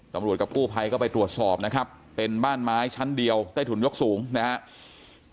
กับกู้ภัยก็ไปตรวจสอบนะครับเป็นบ้านไม้ชั้นเดียวใต้ถุนยกสูงนะครับ